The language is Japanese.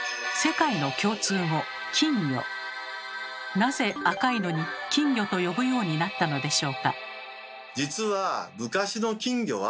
なぜ赤いのに金魚と呼ぶようになったのでしょうか？